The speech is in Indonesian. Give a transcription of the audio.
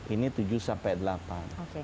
ini tujuh sampai delapan